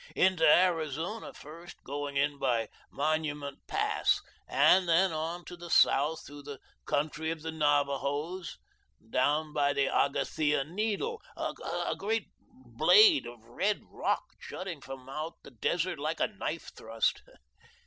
Into Arizona first, going in by Monument Pass, and then on to the south, through the country of the Navajos, down by the Aga Thia Needle a great blade of red rock jutting from out the desert, like a knife thrust.